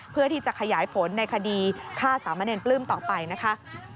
เพื่อที่จะขยายผลในคดีฆ่าสามเณรปลื้มต่อไปนะคะ